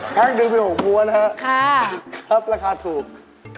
แพ็กนึงเป็น๖บัวนะครับครับราคาถูกค่ะค่ะค่ะ